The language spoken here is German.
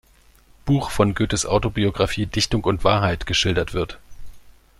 Buch von Goethes Autobiographie "Dichtung und Wahrheit" geschildert wird.